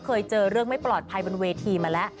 เคยเจอเรื่องไม่ปลอดภัยบนเวทีมาแล้ว